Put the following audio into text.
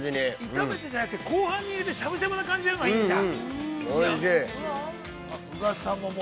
◆炒めてじゃなくて後半に入れてしゃぶしゃぶみたいな感じでやるのがいいんだ。